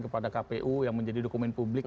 kepada kpu yang menjadi dokumen publik